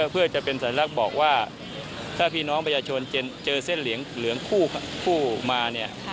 เพื่อจะเป็นสัญลักษณ์บอกว่าถ้าพี่น้องประชาชนเจอเส้นเหลืองคู่มาเนี่ย